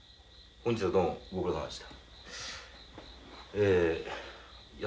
本日はどうもご苦労さまです。